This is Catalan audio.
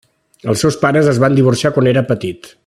Els seus pares es van divorciar quan era petit.